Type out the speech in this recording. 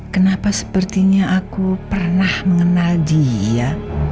kenapa sepertinya aku pernah mengenal dia